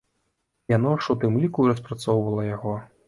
Яно ж у тым ліку і распрацоўвала яго.